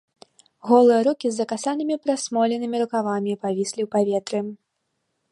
Голыя рукі з закасанымі прасмоленымі рукавамі павіслі ў паветры.